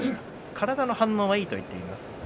体の反応はいいと言っています。